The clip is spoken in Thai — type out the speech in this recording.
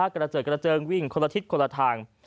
เจิดกระเจิงวิ่งคนละทิศคนละทาง